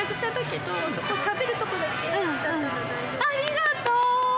ありがとう。